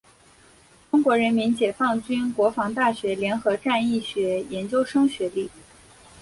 中国人民解放军国防大学联合战役学研究生学历。